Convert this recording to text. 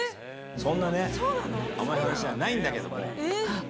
そんなね、甘い話じゃないんだけはい。